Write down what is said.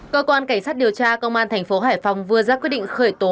cơ quan cảnh sát điều tra công an tp hải phòng vừa ra quyết định khởi tố